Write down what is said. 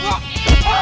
lo sudah bisa berhenti